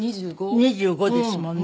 ２５ですもんね。